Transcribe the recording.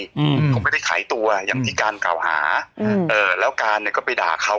อืมเขาไม่ได้ขายตัวอย่างที่การกล่าวหาอืมเอ่อแล้วการเนี้ยก็ไปด่าเขา